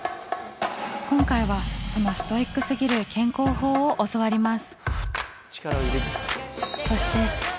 今回はそのストイックすぎる健康法を教わります。